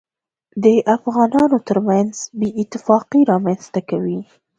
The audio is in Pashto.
دافغانانوترمنځ بې اتفاقي رامنځته کړي